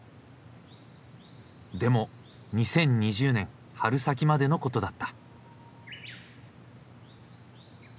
でも２０２０年春先までのことだった。